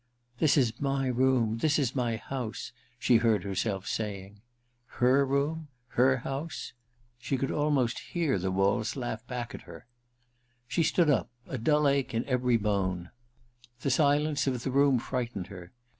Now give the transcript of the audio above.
* This is my room — this is my house,' she heard herself saying. Her room ? Her house ? She could almost hear the walls laugh back at her. She stood up, a weariness in every bone. The silence of the room frightened her.